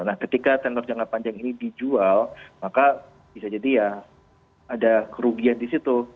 nah ketika tenor jangka panjang ini dijual maka bisa jadi ya ada kerugian disitu